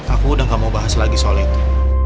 aku udah gak mau bahas lagi soal itu